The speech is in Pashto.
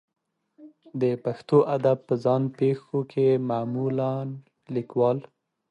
د پښتو ادب په ځان پېښو کې معمولا لیکوال